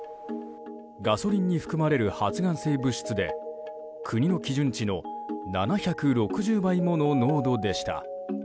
ガソリンに含まれる発がん性物質で国の基準値の７６０倍もの濃度でした。